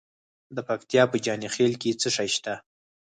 د پکتیا په جاني خیل کې څه شی شته؟